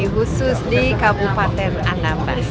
khusus di kabupaten anambas